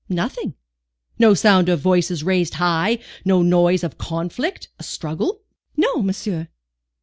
"Nothing." "No sound of voices raised high, no noise of a conflict, a struggle?" "No, monsieur."